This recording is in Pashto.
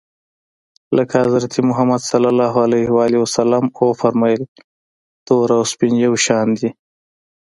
لکه حضرت محمد ص و فرمایل تور او سپین یو شان دي.